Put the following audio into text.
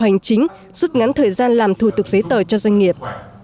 hành chính rút ngắn thời gian làm thủ tục giấy tờ cho doanh nghiệp